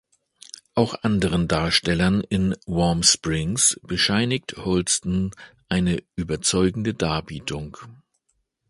Auch anderen Darstellern in "Warm Springs" bescheinigt Holston eine überzeugende Darbietung.